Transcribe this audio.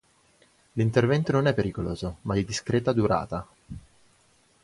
L'intervento non è pericoloso, ma di discreta durata.